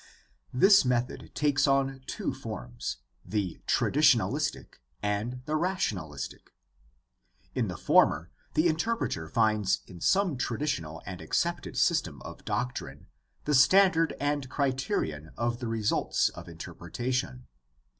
This method takes on two forms, the traditionalistic and the rationalistic. In the former the interpreter finds in some traditional and accepted system of doctrine the standard and criterion of the results of inter pretation.